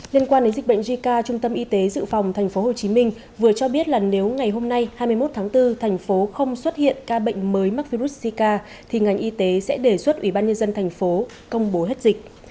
liên quan đến dịch bệnh zika trung tâm y tế dự phòng thành phố hồ chí minh vừa cho biết là nếu ngày hôm nay hai mươi một tháng bốn thành phố không xuất hiện ca bệnh mới mắc virus zika thì ngành y tế sẽ đề xuất ủy ban nhân dân thành phố công bố hết dịch